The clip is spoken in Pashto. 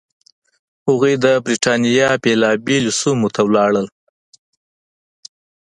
هغوی د برېټانیا بېلابېلو سیمو ته لاړل.